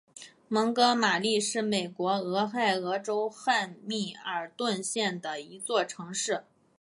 蒙哥马利是美国俄亥俄州汉密尔顿县的一座城市。